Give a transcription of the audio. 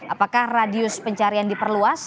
apakah radius pencarian diperluas